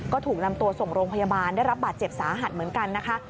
ก็ถูกนำตัวส่งโรงพยาบาลได้รับบาดเจ็บสาหัสเหมือนกันนะคะ